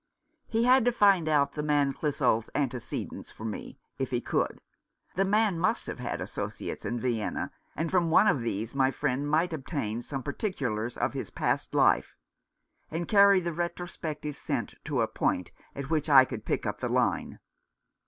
He had to find out the man Clissold's antecedents for me, if he could. The man must have had associates in Vienna, and from one of these my friend might obtain some particulars of his past life, and carry the retrospective scent to a point at which I could pick up the line.